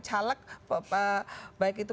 caleg baik itu